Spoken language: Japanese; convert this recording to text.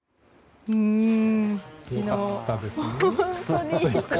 良かったですね。